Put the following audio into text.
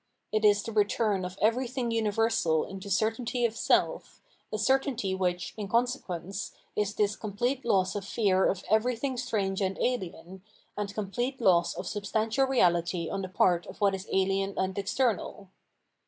It is the return of everything universal into certainty of self, a cer tainty which, in consequence, is this complete loss of fear of everything strange and alien, and complete loss of substantial reality on the part of what is alien and external.